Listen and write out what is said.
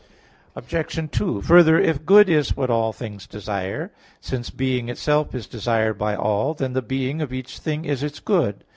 Obj. 2: Further, if good is what all things desire, since being itself is desired by all, then the being of each thing is its good.